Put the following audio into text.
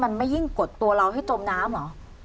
มันไม่ยิ่งกดตัวเราให้จมน้ำเหรอ